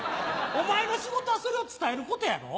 お前の仕事はそれを伝えることやろう。